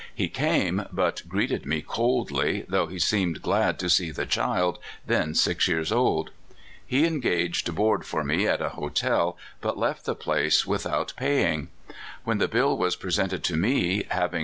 He came, but greeted me coldly, though he seemed glad to seo the child, then six years old. He engaged board for me at a hotel, but left the place without pay irg. AVhen the bill was presented to me, having 36 A Woman of the Early Days.